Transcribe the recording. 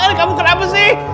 eh kamu kenapa sih